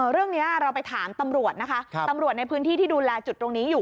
เรื่องนี้เราไปถามตำรวจนะคะตำรวจในพื้นที่ที่ดูแลจุดตรงนี้อยู่